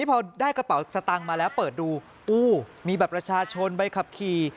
พอได้กระเป๋าสตางค์มาแล้วเปิดดูอู้มีบัตรประชาชนใบขับขี่